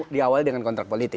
di awal dengan kontrak politik